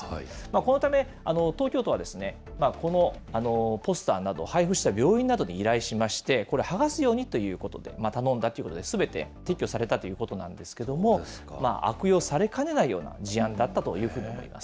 このため、東京都はですね、このポスターなど配布した病院などに依頼しまして、これ、剥がすようにということで頼んだということで、すべて撤去されたということなんですけれども、悪用されかねないような事案だったというふうに思います。